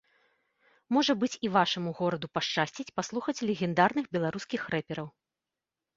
Можа быць, і вашаму гораду пашчасціць паслухаць легендарных беларускіх рэпераў.